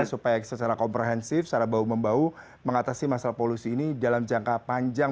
supaya secara komprehensif secara bau membau mengatasi masalah polusi ini dalam jangka panjang